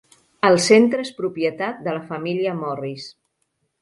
El centre és propietat de la família Morris.